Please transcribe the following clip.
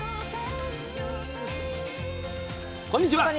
こんにちは！